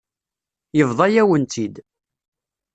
Yebḍa-yawen-tt-id.